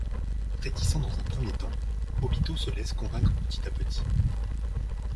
Réticent dans un premier temps, Obito se laisse ensuite convaincre petit à petit.